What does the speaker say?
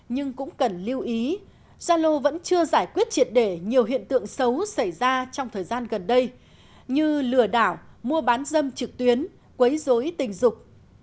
nhưng cũng cần lưu ý zalo vẫn chưa giải quyết triệt để nhiều hiện tượng xấu xảy ra trong thời gian gần đây như lừa đảo mua bán dâm trực tuyến quấy dối tình dục